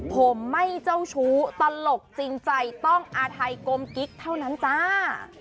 ผมไม่เจ้าชู้ตลกจริงใจต้องอาทัยกลมกิ๊กเท่านั้นจ้า